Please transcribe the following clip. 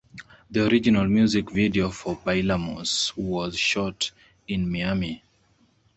The original music video for Bailamos was shot in Miami.